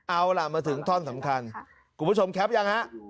เอาล่ะมาถึงท่อนสำคัญคุณผู้ชมแคปยังฮะ